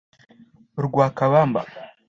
Lwakabamba